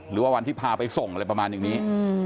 หรือว่าวันที่พาไปส่งอะไรประมาณอย่างนี้